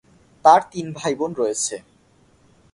তার তিন ভাইবোন রয়েছে।